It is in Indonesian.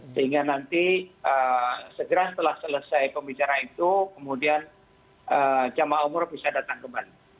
sehingga nanti segera setelah selesai pembicaraan itu kemudian jemaah umroh bisa datang kembali